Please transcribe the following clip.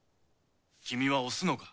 君はおすのか？